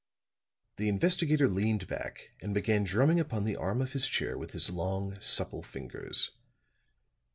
The investigator leaned back and began drumming upon the arm of his chair with his long supple fingers.